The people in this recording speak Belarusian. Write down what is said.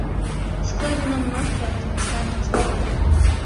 Складзена мноства разнастайных зваротаў.